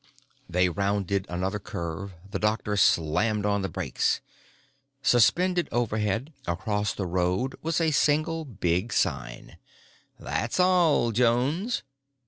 They rounded another curve; the doctor slammed on the brakes. Suspended overhead across the road was a single big sign: THAT'S ALL, JONES!